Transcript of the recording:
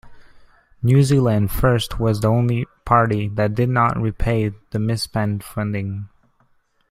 New Zealand First was the only party that did not repay the misspent funding.